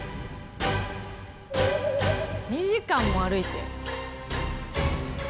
２時間も歩いて。